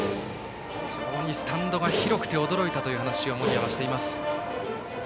非常にスタンドが広くて驚いたという話を森谷はしています。